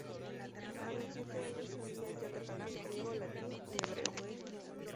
A los siete años sabía ya catalán, griego, latín y hebreo.